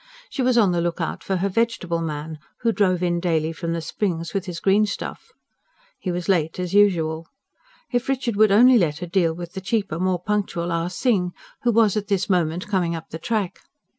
She was on the look out for her "vegetable man," who drove in daily from the Springs with his greenstuff. He was late as usual: if Richard would only let her deal with the cheaper, more punctual Ah Sing, who was at this moment coming up the track.